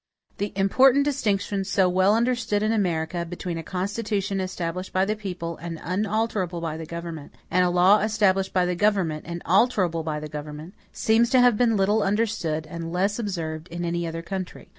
The important distinction so well understood in America, between a Constitution established by the people and unalterable by the government, and a law established by the government and alterable by the government, seems to have been little understood and less observed in any other country.